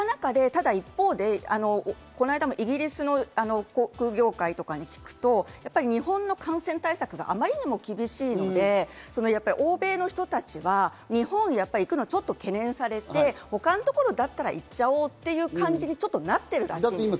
そうした中で、ただ一方、イギリス航空業界とかに聞くと、日本の感染対策があまりにも厳しいので、欧米の人たちは日本に行くのを懸念されて、他のところだったら行っちゃおうという感じになっているらしいんです。